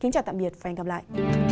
chào tạm biệt và hẹn gặp lại